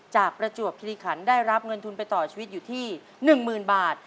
ประจวบคิริขันได้รับเงินทุนไปต่อชีวิตอยู่ที่๑๐๐๐บาท